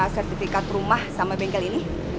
sertifikat rumah sama bengkel ini